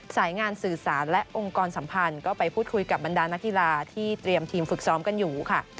สายงานสื่อสารและองค์กรสัมพันธ์ก็ไปพูดคุยกับบรรดานักกีฬาที่เตรียมทีมฝึกซ้อมกันอยู่ค่ะ